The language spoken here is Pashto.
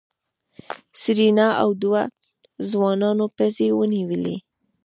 سېرېنا او دوو ځوانانو پزې ونيولې.